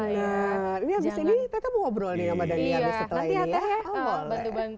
ini abis ini teta mau obrolin sama daniel setelah ini ya